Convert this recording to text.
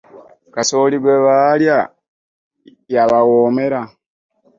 Kasooli gwe baalya yabawoomera.